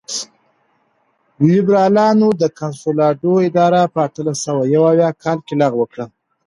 لېبرالانو د کنسولاډو اداره په اتلس سوه یو اویا کال کې لغوه کړه.